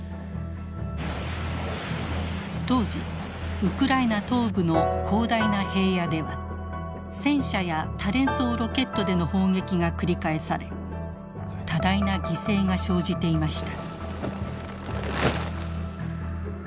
当時ウクライナ東部の広大な平野では戦車や多連装ロケットでの砲撃が繰り返され多大な犠牲が生じていました。